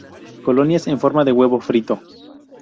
Colonias en forma de huevo frito.